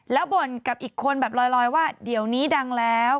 แล้วบ่นกับอีกคนแบบลอยว่าเดี๋ยวนี้ดังแล้ว